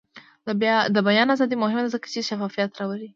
د بیان ازادي مهمه ده ځکه چې شفافیت راولي.